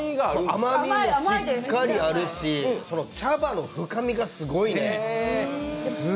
甘みがしっかりあるし、茶葉の深みもすごいです。